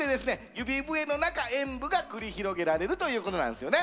指笛の中演武が繰り広げられるということなんですよね。